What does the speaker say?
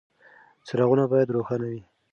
څراغونه باید روښانه وي.